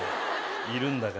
いるんだから。